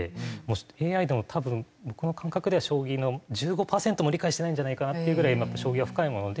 ＡＩでも多分僕の感覚では将棋の１５パーセントも理解してないんじゃないかなっていうぐらい将棋は深いもので。